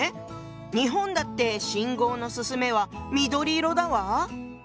日本だって信号の「進め」は緑色だわ。